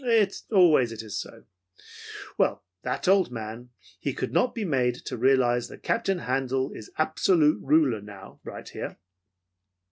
Always it is so. Well, that old man, he could not be made to realize that Captain Handel is absolute ruler now, right here.